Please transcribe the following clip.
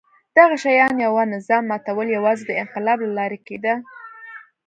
دغه شان یوه نظام ماتول یوازې د انقلاب له لارې کېده.